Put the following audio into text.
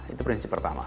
itu prinsip pertama